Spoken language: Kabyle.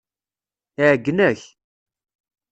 Iɛeyyen-ak.